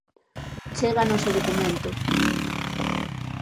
Chéganos o documento.